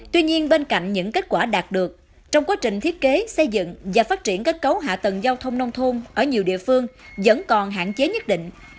tuy nhiên bên cạnh những kết quả đạt được trong quá trình thiết kế xây dựng và phát triển kết cấu hạ tầng giao thông nông thôn ở nhiều địa phương vẫn còn hạn chế nhất định